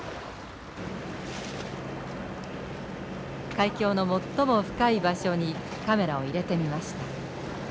海峡の最も深い場所にカメラを入れてみました。